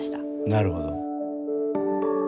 なるほど。